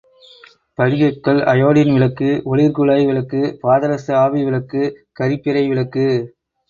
படிகக்கல் iodine விளக்கு, ஒளிர்குழாய் விளக்கு, பாதரச ஆவிவிளக்கு கரிப்பிறை விளக்கு.